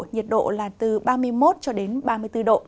nhiệt độ là từ ba mươi một ba mươi bốn độ